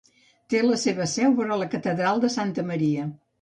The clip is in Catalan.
Té la seva seu vora la catedral de Santa Maria.